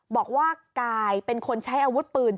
บอกว่ากายเป็นคนใช้อาวุธปืน